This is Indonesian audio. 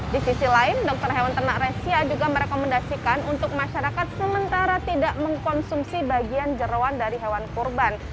di sisi lain dokter hewan ternak resia juga merekomendasikan untuk masyarakat sementara tidak mengkonsumsi bagian jerawan dari hewan kurban